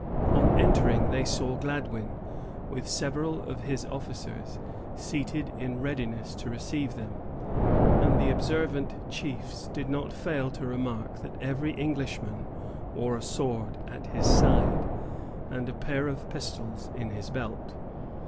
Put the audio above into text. On entering, they saw Gladwyn, with several of his officers, seated in readiness to receive them, and the observant chiefs did not fail to remark that every Englishman wore a sword at his side, and a pair of pistols in his belt.